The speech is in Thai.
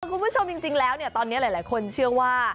คุณผู้ชมจริงแล้วตอนนี้หลายคนเชื่อว่า